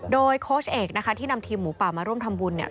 โดยโค้ชเอกที่นำทีมหมูปะมาร่วมทำบุญ